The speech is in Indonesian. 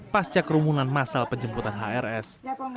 pasca kerumunan masal penjemputan hrs